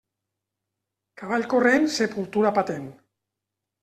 Cavall corrent, sepultura patent.